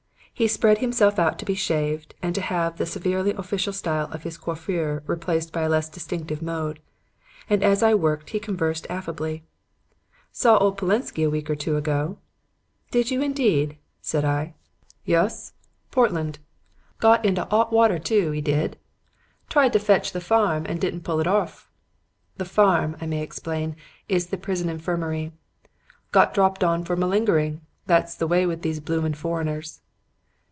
He spread himself out to be shaved and to have the severely official style of his coiffure replaced by a less distinctive mode; and as I worked he conversed affably. "'Saw old Polensky a week or two ago.' "'Did you indeed?' said I. "'Yus. Portland. Got into 'ot water, too, 'e did. Tried to fetch the farm and didn't pull it orf.' ('The farm,' I may explain, is the prison infirmary.) 'Got dropped on for malingering. That's the way with these bloomin' foreigners.'